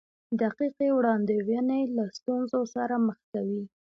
دقیقې وړاندوینې له ستونزو سره مخ کوي.